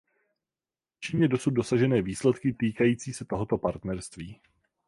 Těší mě dosud dosažené výsledky týkající se tohoto partnerství.